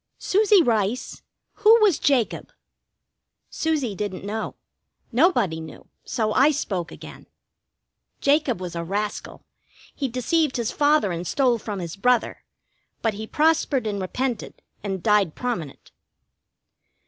"Susie Rice, who was Jacob?" Susie didn't know. Nobody knew, so I spoke again. "Jacob was a rascal. He deceived his father and stole from his brother. But he prospered and repented, and died prominent."